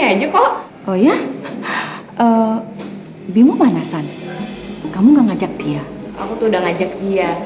baik pak saya akan pelajari ini